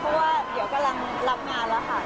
เพราะว่าเดี๋ยวกำลังรับงานแล้วค่ะ